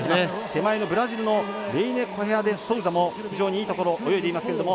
手前のブラジルのレイネコヘアデソウザも非常にいいところを泳いでいますけれども。